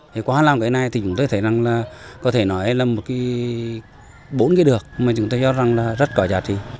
thì qua làm cái này thì chúng tôi thấy rằng là có thể nói là một cái bốn cái được mà chúng tôi cho rằng là rất có giá trị